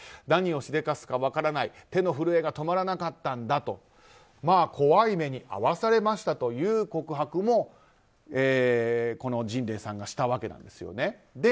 何をしでかすか分からない、手の震えが止まらなかったんだと怖い目に遭わされましたという告白もジンレイさんがしたわけなんです。